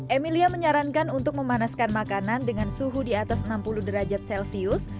emilia menyarankan untuk memanaskan makanan dengan suhu di atas enam puluh derajat celcius